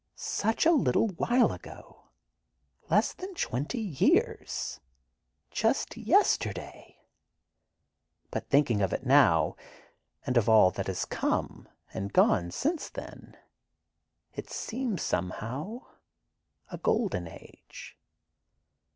Such a little while ago ... less than twenty years ... just yesterday! But thinking of it now, and of all that has come, and gone, since then, it seems, somehow, a Golden Age.